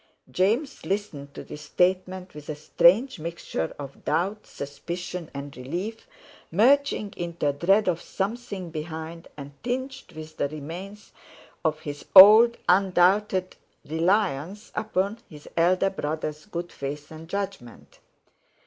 James listened to this statement with a strange mixture of doubt, suspicion, and relief, merging into a dread of something behind, and tinged with the remains of his old undoubted reliance upon his elder brother's good faith and judgment.